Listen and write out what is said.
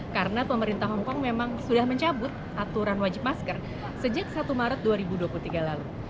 karena pemerintah hongkong memang sudah mencabut aturan wajib masker sejak satu maret dua ribu dua puluh tiga lalu